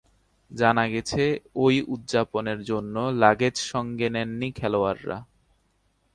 জানা গেছে, ওই উদযাপনের জন্য লাগেজ সঙ্গে নেননি খেলোয়াড়রা।